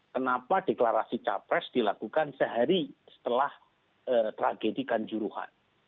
kenapa deklarasi capres dilakukan sehari setelah tragedikan juruhan